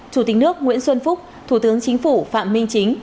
chủ tịch nước nguyễn xuân phúc thủ tướng chính phủ phạm minh chính